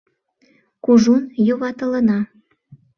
— Кужун юватылына.